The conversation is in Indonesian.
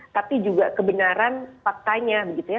tapi juga kebenaran faktanya begitu ya